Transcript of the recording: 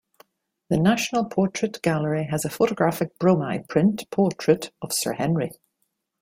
The National Portrait Gallery has a photographic bromide print portrait of Sir Henry.